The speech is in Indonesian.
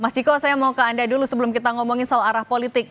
mas ciko saya mau ke anda dulu sebelum kita ngomongin soal arah politik